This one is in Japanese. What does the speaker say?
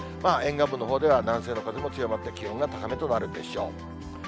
沿岸部のほうでは、南西の風も強まって、気温が高めとなるでしょう。